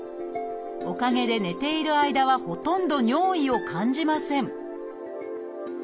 おかげで寝ている間はほとんど尿意を感じません